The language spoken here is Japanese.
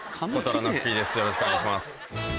よろしくお願いします。